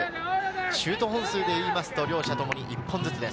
シュート本数でいいますと、両者ともに１本ずつです。